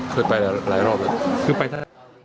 เคยไปหลายรอบแหละ